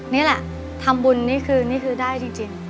นี่แหละทำบุญนี่คือได้จริง